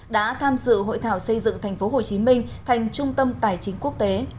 đã tham dự hội thảo xây dựng tp hcm thành trung tâm tài chính quốc tế